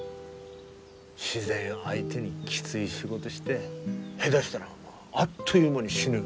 自然相手にきつい仕事して下手したらあっという間に死ぬ。